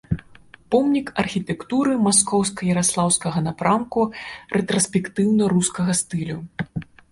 Помнік архітэктуры маскоўска-яраслаўскага напрамку рэтраспектыўна-рускага стылю.